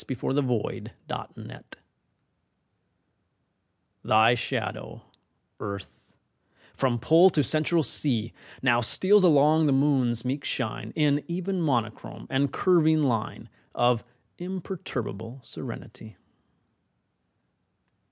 AT A LUNAR ECLIPSE THY shadow, Earth, from Pole to Central Sea, Now steals along upon the Moon's meek shine In even monochrome and curving line Of imperturbable serenity.